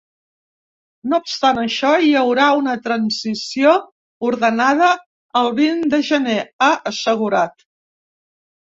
“No obstant això, hi haurà una transició ordenada el vint de gener”, ha assegurat.